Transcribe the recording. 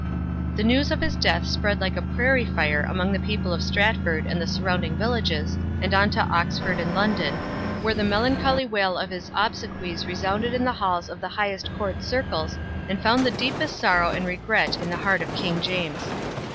The news of his death spread like a prairie fire among the people of Stratford and the surrounding villages, and on to Oxford and London, where the melancholy wail of his obsequies resounded in the halls of the highest court circles, and found the deepest sorrow and regret in the heart of King James.